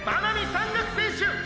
山岳選手！！」